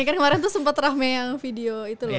kemarin sempat rahme yang video